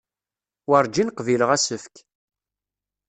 Werǧin qbileɣ asefk.